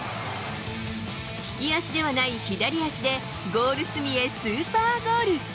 利き足ではない左足で、ゴール隅へスーパーゴール。